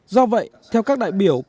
do vậy theo các đại biểu